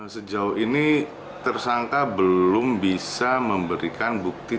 sejauh ini tersangka belum bisa memberikan bukti